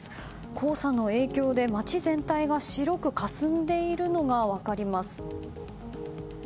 黄砂の影響で街全体が白くかすんでいるのが分かります。